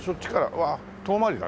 うわっ遠回りだね。